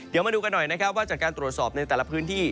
เดี๋ยวมาดูกันหน่อยนะครับว่าจากการตรวจสอบในแต่ละพื้นที่